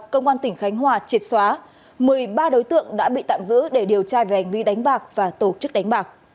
công an tỉnh khánh hòa triệt xóa một mươi ba đối tượng đã bị tạm giữ để điều tra về hành vi đánh bạc và tổ chức đánh bạc